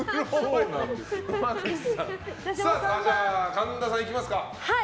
神田さん、いきますか。